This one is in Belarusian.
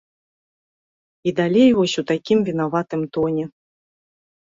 І далей вось у такім вінаватым тоне.